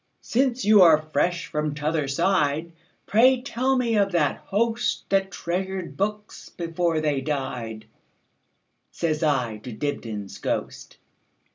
"Since you are fresh from t'other side, Pray tell me of that hostThat treasured books before they died,"Says I to Dibdin's ghost.